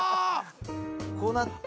こうなって。